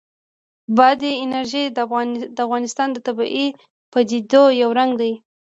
بادي انرژي د افغانستان د طبیعي پدیدو یو رنګ دی.